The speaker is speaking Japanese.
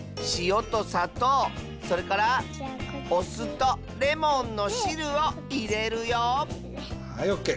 それからおすとレモンのしるをいれるよはいオッケー。